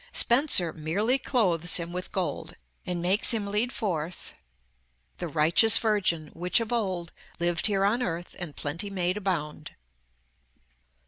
Spenser merely clothes him with gold, and makes him lead forth "the righteous Virgin, which of old Lived here on earth, and plenty made abound."